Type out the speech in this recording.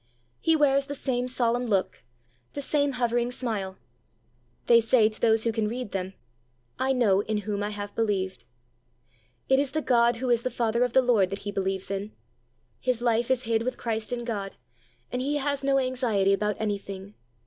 He wears the same solemn look, the same hovering smile. They say to those who can read them, "I know in whom I have believed." It is the God who is the Father of the Lord that he believes in. His life is hid with Christ in God, and he has no anxiety about anything.